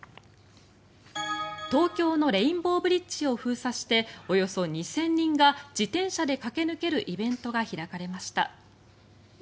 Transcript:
東京のレインボーブリッジを封鎖しておよそ２０００人が自転車で駆け抜けるイベントが開かれました。